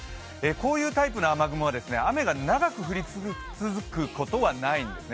こういうタイプの雨雲は、雨が長く降り続くことはないんですね。